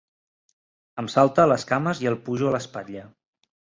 Em salta a les cames i el pujo a l'espatlla.